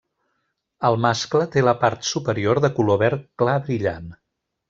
El mascle té la part superior de color verd clar brillant.